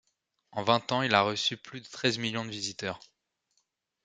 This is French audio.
En vingt ans, il a reçu plus de treize millions de visiteurs.